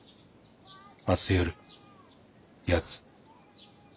明日夜八つ。